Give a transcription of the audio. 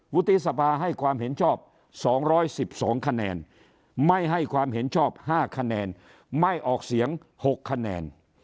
วุฒิสภาให้ความเห็นชอบ๒๑๒คะแนนไม่ให้ความเห็นชอบ๕คะแนนไม่ออกเสียง๖คะแนน